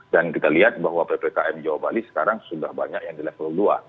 dan kita lihat bahwa ppkm jawa bali sekarang sudah banyak yang di level dua